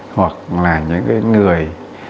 hoặc là những người